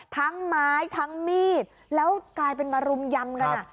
ทั้งไม้ทั้งมีดแล้วกลายเป็นมารุมยำกัน